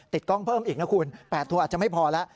กล้องเพิ่มอีกนะคุณ๘ตัวอาจจะไม่พอแล้ว